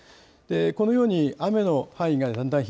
このように雨の範囲がだんだん東